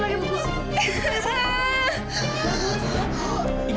terima kasih ibu